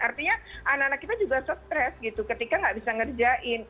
artinya anak anak kita juga stres gitu ketika nggak bisa ngerjain